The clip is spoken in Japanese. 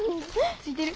ついてる？